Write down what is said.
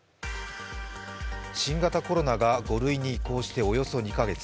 新型コロナが５類に移行しておよそ２か月。